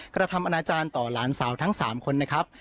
กระทำอนาจารย์ต่อหลานสาวทั้ง๓คนนะครับ